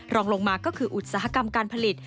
รองลงมาก็คืออุตสาหกรรมการผลิต